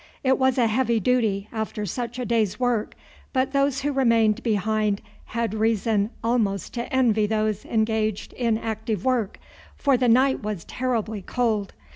It was a heavy duty after such a day's work, but those who remained behind had reason almost to envy those engaged in active work, for the night was terribly cold.